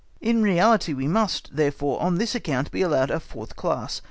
In reality we must, therefore, on this account be allowed a fourth class.